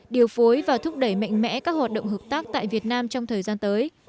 điều phối và thúc đẩy mạnh mẽ các hoạt động hợp tác tại việt nam trong thời gian tới